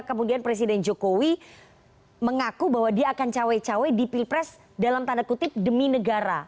kemudian presiden jokowi mengaku bahwa dia akan cawe cawe di pilpres dalam tanda kutip demi negara